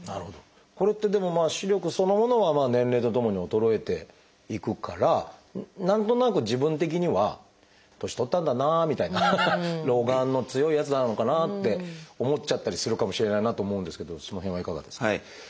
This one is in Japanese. これってでもまあ視力そのものは年齢とともに衰えていくから何となく自分的には年取ったんだなみたいな老眼の強いやつなのかなって思っちゃったりするかもしれないなと思うんですけどその辺はいかがですか？